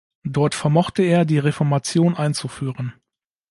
Dort vermochte er die Reformation einzuführen.